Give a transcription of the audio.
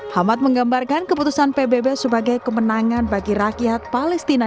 hamad menggambarkan keputusan pbb sebagai kemenangan bagi rakyat palestina